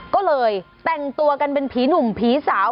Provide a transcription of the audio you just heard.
ก็เลยแต่งตัวกันเป็นผีหนุ่มผีสาว